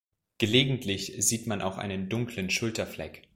Gelegentlich sieht man auch einen dunklen Schulterfleck.